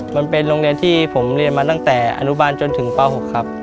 มันเป็นโรงเรียนที่ผมเรียนมาตั้งแต่อนุบาลจนถึงป๖ครับ